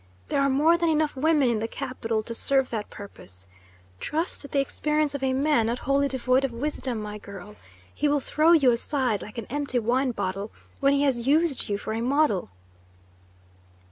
There are more than enough women in the capital to serve that purpose. Trust the experience of a man not wholly devoid of wisdom, my girl. He will throw you aside like an empty wine bottle when he has used you for a model."